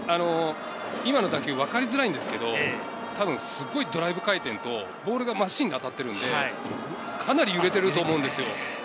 今の打球、わかりづらいんですけど、たぶんすごいドライブ回転と、ボールが真芯に当たっているんで、かなり揺れていると思うんです。